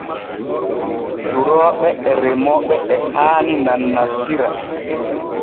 Durooɓe e remooɓe e haani nannantira.